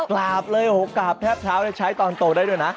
กราบเลยห่วงกราบแทบเท้าต้องใช้ตอนโตได้ด้วยนะ